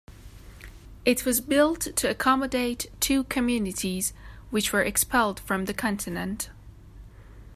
It was built to accommodate two communities which were expelled from the continent.